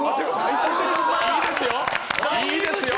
いいですよ！